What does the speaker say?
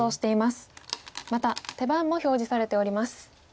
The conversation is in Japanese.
また手番も表示されております。